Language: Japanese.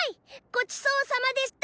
ごちそうさまでした！